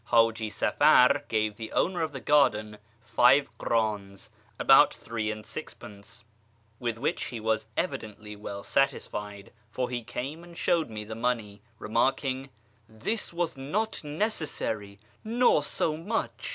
Haji Safar gave the owner of the garden five krdns (about three and sixpence), with which he was evidently well satisfied, for he came and showed me the money, remark ing, " This was not necessary, nor so much."